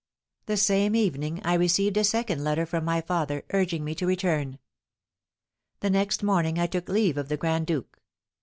The same evening I received a second letter from my father, urging me to return. The next morning I took leave of the grand duke.